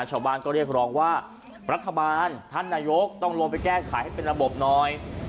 ชาวบ้านก็เรียกร้องว่ารัฐบาลท่านนายกต้องลงไปแก้ไขให้เป็นระบบหน่อย